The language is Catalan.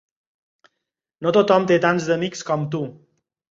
No tothom té tants amics com tu.